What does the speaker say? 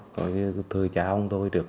gọi như thời cha ông tôi trước